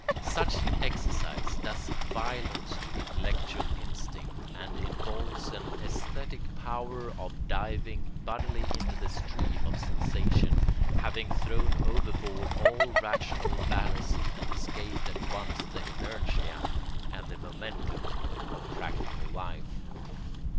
Such an exercise does violence to intellectual instinct and involves an æsthetic power of diving bodily into the stream of sensation, having thrown overboard all rational ballast and escaped at once the inertia and the momentum of practical life.